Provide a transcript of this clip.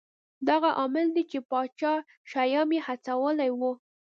دا هغه عامل دی چې پاچا شیام یې هڅولی و.